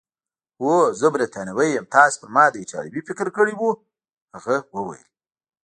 هو، زه بریتانوی یم، تاسي پر ما د ایټالوي فکر کړی وو؟ هغه وویل.